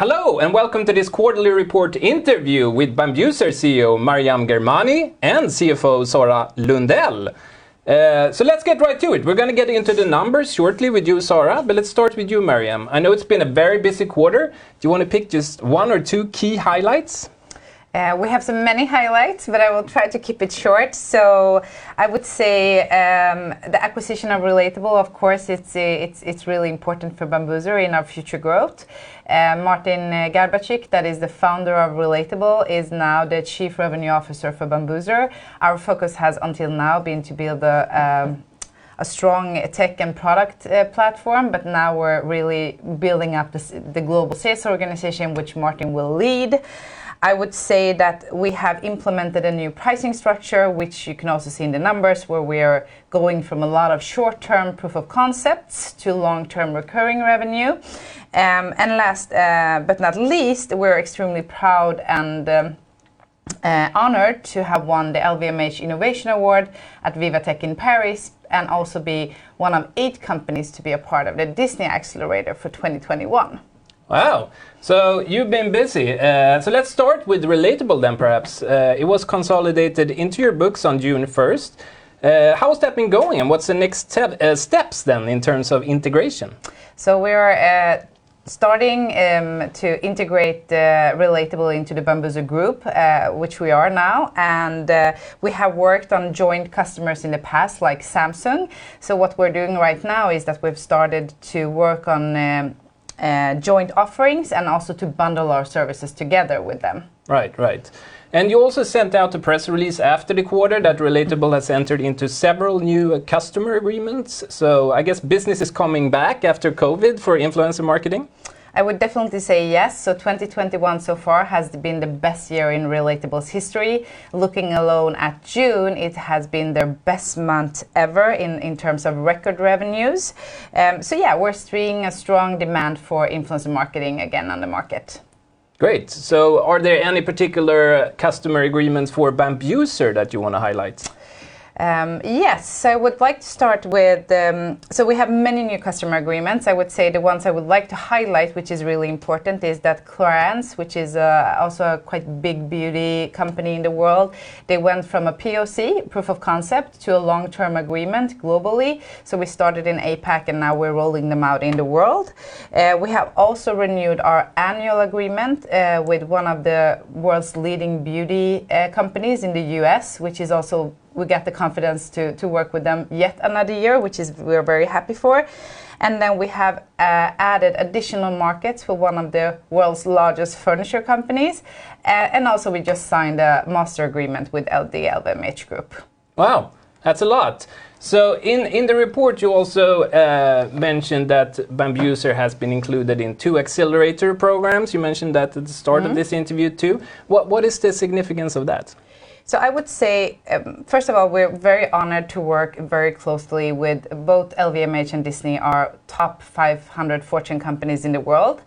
Hello, welcome to this quarterly report interview with Bambuser CEO, Maryam Ghahremani, and CFO, Sara Lundell. Let's get right to it. We're going to get into the numbers shortly with you, Sara, but let's start with you, Maryam. I know it's been a very busy quarter. Do you want to pick just one or two key highlights? We have some many highlights, but I will try to keep it short. I would say, the acquisition of Relatable, of course, it's really important for Bambuser in our future growth. Martin Garbarczyk, that is the founder of Relatable, is now the Chief Revenue Officer for Bambuser. Our focus has until now been to build a strong tech and product platform, but now we're really building up the global sales organization, which Martin will lead. I would say that we have implemented a new pricing structure, which you can also see in the numbers where we're going from a lot of short-term proof of concepts to long-term recurring revenue. Last but not least, we're extremely proud and honored to have won the LVMH Innovation Award at VivaTech in Paris, and also be one of eight companies to be a part of the Disney Accelerator for 2021. Wow. You've been busy. Let's start with Relatable then perhaps. It was consolidated into your books on June 1st. How has that been going and what's the next steps then, in terms of integration? We are starting to integrate Relatable into the Bambuser group, which we are now, and we have worked on joint customers in the past, like Samsung. What we're doing right now is that we've started to work on joint offerings and also to bundle our services together with them. Right. You also sent out a press release after the quarter that Relatable has entered into several new customer agreements, so I guess business is coming back after COVID for influencer marketing? I would definitely say yes. 2021 so far has been the best year in Relatable's history. Looking alone at June, it has been their best month ever in terms of record revenues. Yeah, we're seeing a strong demand for influencer marketing again on the market. Great. Are there any particular customer agreements for Bambuser that you want to highlight? Yes. We have many new customer agreements. I would say the ones I would like to highlight, which is really important, is that Clarins, which is also a quite big beauty company in the world, they went from a POC, proof of concept, to a long-term agreement globally. We started in APAC, and now we're rolling them out in the world. We have also renewed our annual agreement, with one of the world's leading beauty companies in the U.S., which is also, we get the confidence to work with them yet another year, which we are very happy for. We have added additional markets for one of the world's largest furniture companies. We just signed a master agreement with LVMH group. Wow. That's a lot. In the report you also mentioned that Bambuser has been included in two accelerator programs. You mentioned that at the start of this interview, too. What is the significance of that? I would say, first of all, we're very honored to work very closely with both LVMH and Disney, are top 500 Fortune companies in the world.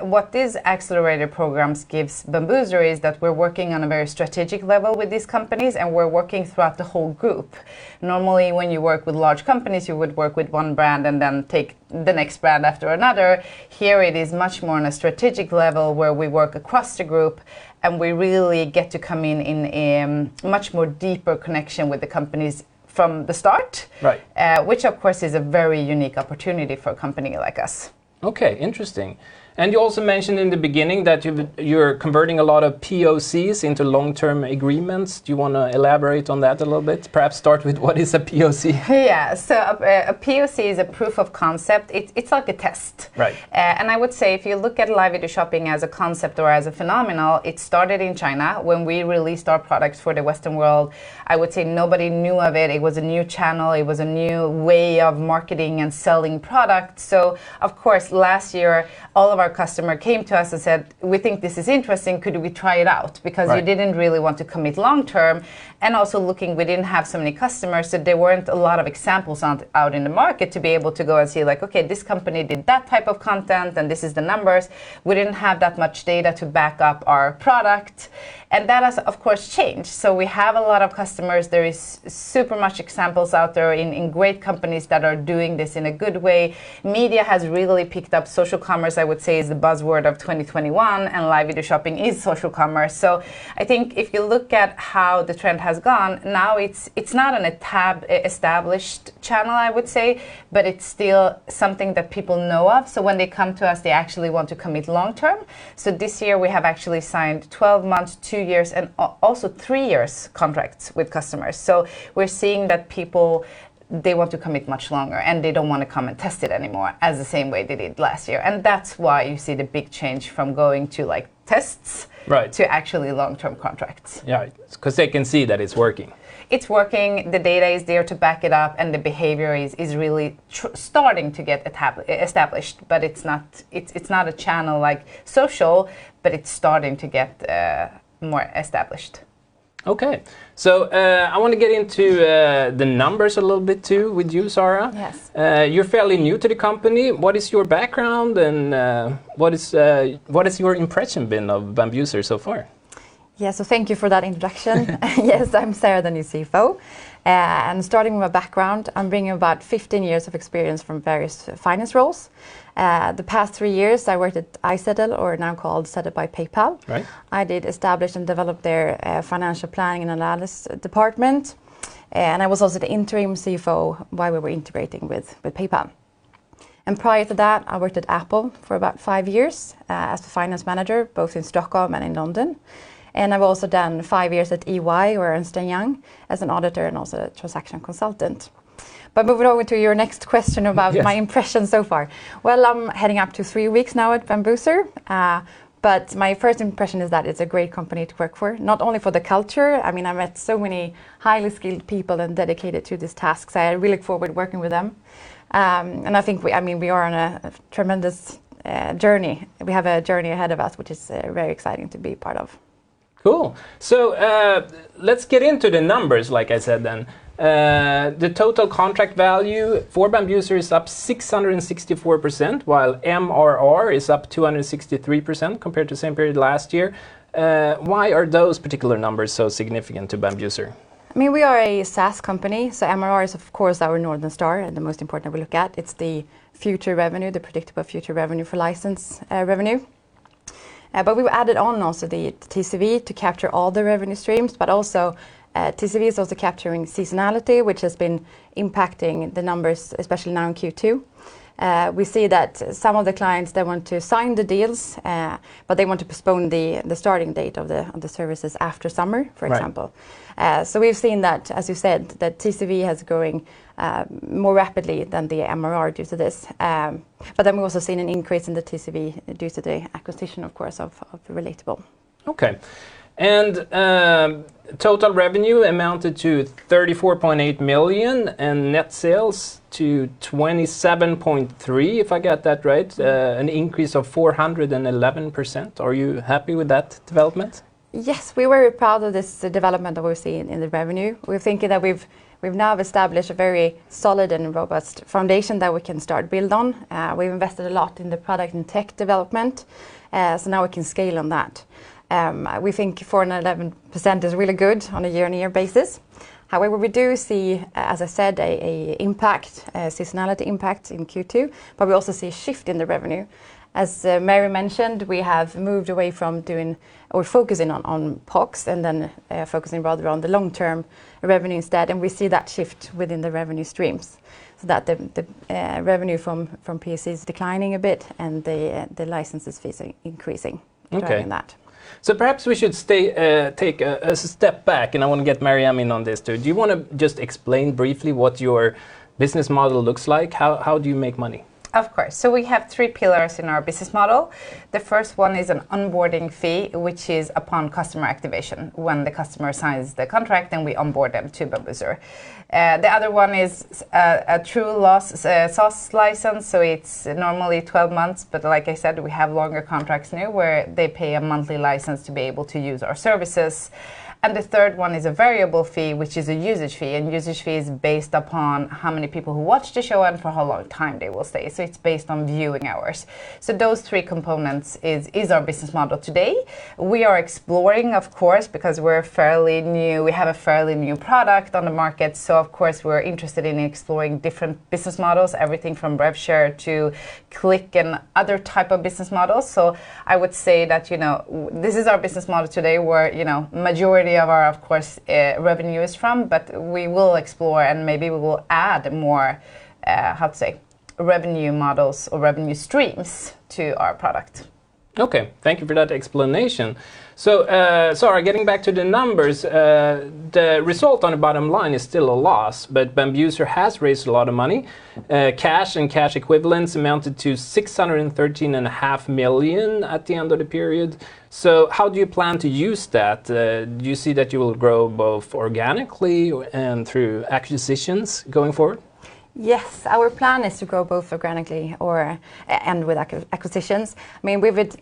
What these accelerator programs gives Bambuser is that we're working on a very strategic level with these companies, and we're working throughout the whole group. Normally, when you work with large companies, you would work with one brand and then take the next brand after another. Here it is much more on a strategic level where we work across the group, and we really get to come in in a much more deeper connection with the companies from the start. Right. Which of course is a very unique opportunity for a company like us. Okay. Interesting. You also mentioned in the beginning that you're converting a lot of POCs into long-term agreements. Do you want to elaborate on that a little bit? Perhaps start with what is a POC? Yeah. A POC is a proof of concept. It's like a test. Right. I would say if you look at Live Video Shopping as a concept or as a phenomenon, it started in China. When we released our products for the Western world, I would say nobody knew of it. It was a new channel, it was a new way of marketing and selling product. Of course, last year, all of our customer came to us and said, "We think this is interesting. Could we try it out? Right. Because we didn't really want to commit long term, and also looking, we didn't have so many customers, so there weren't a lot of examples out in the market to be able to go and see, like, "Okay, this company did that type of content, and this is the numbers." We didn't have that much data to back up our product. That has, of course, changed. We have a lot of customers, there is super much examples out there in great companies that are doing this in a good way. Media has really picked up. Social commerce, I would say, is the buzzword of 2021, and Live Video Shopping is social commerce. I think if you look at how the trend has gone, now it's not in a tab established channel, I would say, but it's still something that people know of, so when they come to us, they actually want to commit long term. This year, we have actually signed 12 months, two years, and also three years contracts with customers. We're seeing that people, they want to commit much longer, and they don't want to come and test it anymore as the same way they did last year. That's why you see the big change from going to tests. Right to actually long-term contracts. Yeah. They can see that it's working. It's working, the data is there to back it up, and the behavior is really starting to get established. It's not a channel like social, but it's starting to get more established. Okay. I want to get into the numbers a little bit, too, with you, Sara. Yes. You're fairly new to the company. What is your background and what has your impression been of Bambuser so far? Thank you for that introduction. Yes, I'm Sara, the new CFO. Starting with my background, I'm bringing about 15 years of experience from various finance roles. The past three years, I worked at Zettle, or now called Zettle by PayPal. Right. I did establish and develop their financial planning and analysis department, and I was also the interim CFO while we were integrating with PayPal. Prior to that, I worked at Apple for about five years, as a finance manager, both in Stockholm and in London. I've also done five years at EY, or Ernst & Young, as an auditor and also a transaction consultant. Moving over to your next question about. Yes My impression so far. Well, I'm heading up to three weeks now at Bambuser, but my first impression is that it's a great company to work for, not only for the culture. I've met so many highly skilled people and dedicated to these tasks. I really look forward to working with them. I think we are on a tremendous journey. We have a journey ahead of us, which is very exciting to be part of. Cool. Let's get into the numbers, like I said then. The total contract value for Bambuser is up 664%, while MRR is up 263% compared to the same period last year. Why are those particular numbers so significant to Bambuser? We are a SaaS company. MRR is of course our Northern Star and the most important that we look at. It's the future revenue, the predictable future revenue for license revenue. We've added on also the TCV to capture all the revenue streams, but also TCV is also capturing seasonality, which has been impacting the numbers, especially now in Q2. We see that some of the clients, they want to sign the deals, but they want to postpone the starting date of the services after summer, for example. Right. We've seen that, as you said, that TCV has growing more rapidly than the MRR due to this. We've also seen an increase in the TCV due to the acquisition, of course, of the Relatable. Okay. Total revenue amounted to 34.8 million, net sales to 27.3, if I got that right. An increase of 411%. Are you happy with that development? Yes. We're very proud of this development that we're seeing in the revenue. We're thinking that we've now established a very solid and robust foundation that we can start build on. We've invested a lot in the product and tech development, so now we can scale on that. We think 411% is really good on a year-on-year basis. However, we do see, as I said, a seasonality impact in Q2, but we also see a shift in the revenue. As Maryam mentioned, we have moved away from doing or focusing on POCs and then focusing rather on the long-term revenue instead, and we see that shift within the revenue streams, so that the revenue from PS is declining a bit and the license is increasing. Okay driving that. Perhaps we should take a step back, and I want to get Maryam in on this, too. Do you want to just explain briefly what your business model looks like? How do you make money? Of course. We have three pillars in our business model. The first one is an onboarding fee, which is upon customer activation. When the customer signs the contract, we onboard them to Bambuser. The other one is a true loss SaaS license, it's normally 12 months, but like I said, we have longer contracts now where they pay a monthly license to be able to use our services. The third one is a variable fee, which is a usage fee, usage fee is based upon how many people who watch the show and for how long time they will stay. It's based on viewing hours. Those three components is our business model today. We are exploring, of course, because we have a fairly new product on the market, so of course, we're interested in exploring different business models, everything from rev share to click and other type of business models. I would say that this is our business model today, where majority of our, of course, revenue is from, but we will explore, and maybe we will add more, how to say, revenue models or revenue streams to our product. Okay. Thank you for that explanation. Sara, getting back to the numbers, the result on the bottom line is still a loss, but Bambuser has raised a lot of money. Cash and cash equivalents amounted to 613.5 million at the end of the period. How do you plan to use that? Do you see that you'll grow both organically and through acquisitions going forward? Yes. Our plan is to grow both organically and with acquisitions.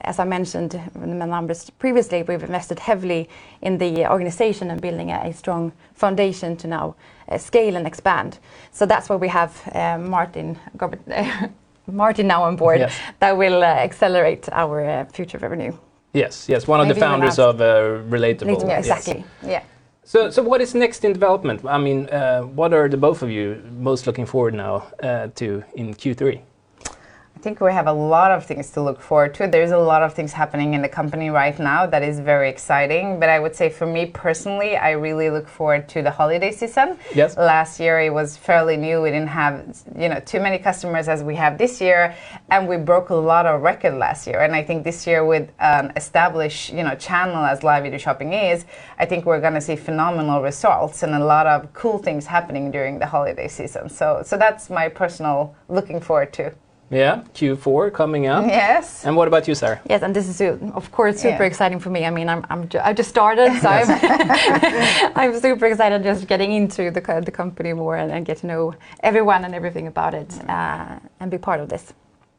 As I mentioned in the numbers previously, we've invested heavily in the organization and building a strong foundation to now scale and expand. That's why we have Martin now on board. Yes that will accelerate our future revenue. Yes, yes. One of the founders of Relatable. Relatable. Exactly. Yeah. What is next in development? What are the both of you most looking forward now to in Q3? I think we have a lot of things to look forward to. There is a lot of things happening in the company right now that is very exciting. I would say for me, personally, I really look forward to the holiday season. Yes. Last year, it was fairly new. We didn't have too many customers as we have this year. We broke a lot of record last year. I think this year, with established channel as Live Video Shopping is, I think we're going to see phenomenal results and a lot of cool things happening during the holiday season. That's my personal looking forward to. Yeah. Q4 coming up. Yes. What about you, Sara? Yes, and this is of course- Yeah super exciting for me. I've just started, so I'm super excited just getting into the company more and get to know everyone and everything about it, and be part of this.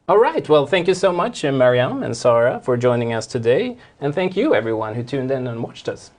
All right. Well, thank you so much, Maryam and Sara, for joining us today, and thank you everyone who tuned in and watched us.